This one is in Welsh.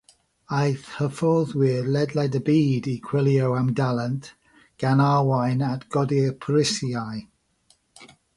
Aeth hyfforddwyr ledled y byd i chwilio am dalent, gan arwain at godi'r prisiau.